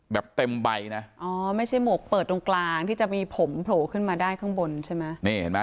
แบบเต็มใบนะอ๋อไม่ใช่หมวกเปิดตรงกลางที่จะมีผมโผล่ขึ้นมาได้ข้างบนใช่ไหมนี่เห็นไหม